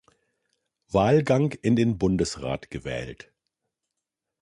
Wahlgang in den Bundesrat gewählt.